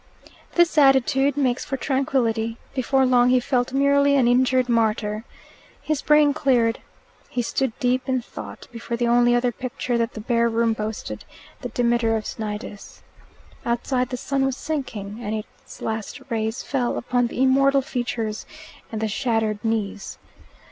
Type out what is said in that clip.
This attitude makes for tranquillity. Before long he felt merely an injured martyr. His brain cleared. He stood deep in thought before the only other picture that the bare room boasted the Demeter of Cnidus. Outside the sun was sinking, and its last rays fell upon the immortal features and the shattered knees.